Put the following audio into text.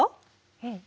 うん。